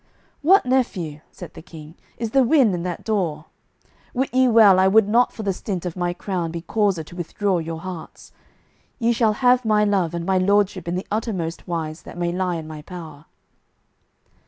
"What, nephew," said the King, "is the wind in that door! Wit ye well I would not for the stint of my crown be causer to withdraw your hearts. Ye shall have my love and my lordship in the uttermost wise that may lie in my power."